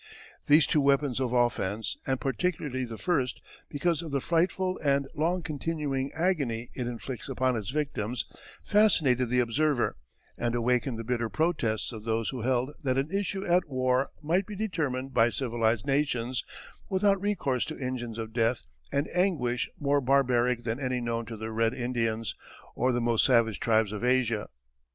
These two weapons of offence, and particularly the first, because of the frightful and long continuing agony it inflicts upon its victims, fascinated the observer, and awakened the bitter protests of those who held that an issue at war might be determined by civilized nations without recourse to engines of death and anguish more barbaric than any known to the red Indians, or the most savage tribes of Asia.